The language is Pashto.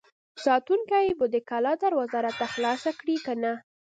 ساتونکي به د کلا دروازه راته خلاصه کړي که نه!